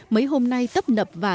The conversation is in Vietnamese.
mấy hôm nay tấp nập và